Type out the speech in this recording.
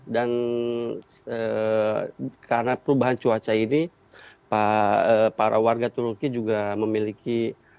dan karena perubahan cuaca ini para warga turki juga memiliki